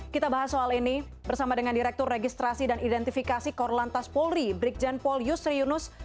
kita bahas soal ini bersama dengan direktur registrasi dan identifikasi korlantas polri brigjen paul yusri yunus